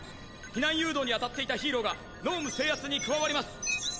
避難誘導にあたっていたヒーローが脳無制圧に加わります。